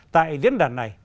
tại diễn đàn này